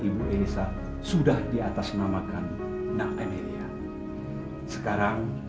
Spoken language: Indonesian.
terima kasih pak anwar